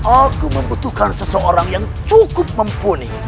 aku membutuhkan seseorang yang cukup mumpuni